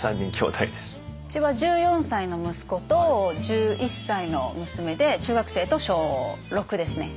うちは１４歳の息子と１１歳の娘で中学生と小６ですね。